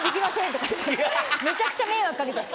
めちゃくちゃ迷惑掛けちゃって。